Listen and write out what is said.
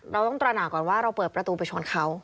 เราต้องตระหนักก่อนว่าเราเปิดประตูไปชนเขา